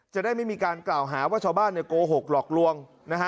จะได้ไม่มีการกล่าวหาว่าชาวบ้านโกหกหลอกลวงนะฮะ